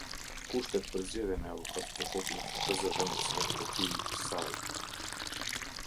Kushtet për zgjedhjen e Avokatit të Popullit dhe zëvendësve të tijisaj.